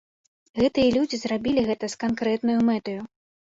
Гэтыя людзі зрабілі гэта з канкрэтнаю мэтаю.